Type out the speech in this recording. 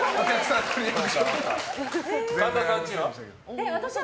神田さんちは？